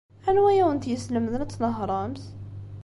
Anwa ay awent-yeslemden ad tnehṛemt?